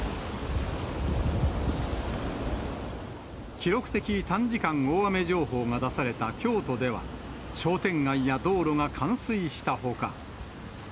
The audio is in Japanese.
記録的短時間大雨情報が出された京都では、商店街や道路が冠水したほか。